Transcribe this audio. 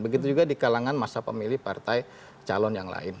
begitu juga di kalangan masa pemilih partai calon yang lain